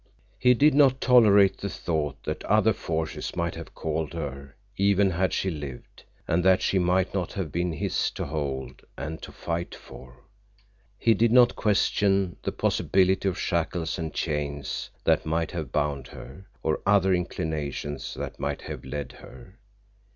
He did not tolerate the thought that other forces might have called her even had she lived, and that she might not have been his to hold and to fight for. He did not question the possibility of shackles and chains that might have bound her, or other inclinations that might have led her.